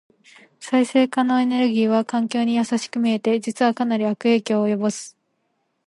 再生可能エネルギーは環境に優しく見えて、実はかなり悪影響を及ぼす。